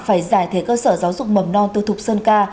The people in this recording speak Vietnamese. phải giải thể cơ sở giáo dục mầm non tư thục sơn ca